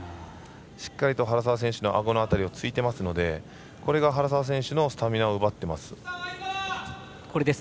しっかりと原沢選手のあごの辺りをついてますのでこれが原沢選手のスタミナを奪ってます。